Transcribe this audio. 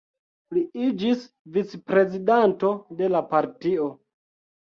Li iĝis vicprezidanto de la partio.